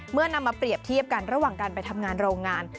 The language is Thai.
นำมาเปรียบเทียบกันระหว่างการไปทำงานโรงงาน